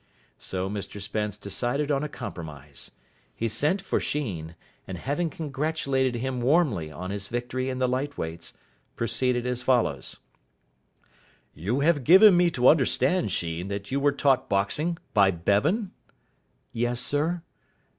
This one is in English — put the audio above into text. So Mr Spence decided on a compromise. He sent for Sheen, and having congratulated him warmly on his victory in the Light Weights, proceeded as follows: "You have given me to understand, Sheen, that you were taught boxing by Bevan?" "Yes, sir."